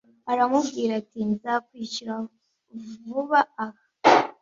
Aramubwira ati Nzakwishyura vaba aha